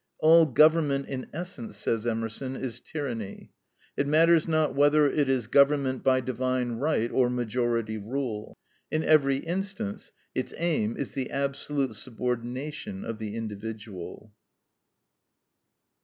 "All government in essence," says Emerson, "is tyranny." It matters not whether it is government by divine right or majority rule. In every instance its aim is the absolute subordination of the individual.